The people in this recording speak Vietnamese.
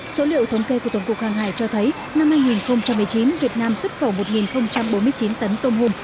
số liệu thống kê của tổng cục hàng hải cho thấy năm hai nghìn một mươi chín việt nam xuất khẩu một bốn mươi chín tấn tôm hùm